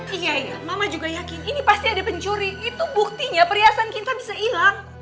iya iya mama juga yakin ini pasti ada pencuri itu buktinya perhiasan kita bisa hilang